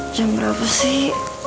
jam berapa sih